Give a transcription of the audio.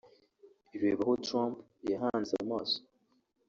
Reba aho Trump yahanze amaso